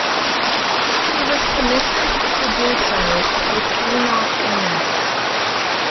He was commissioned to do so with Enoch Innes.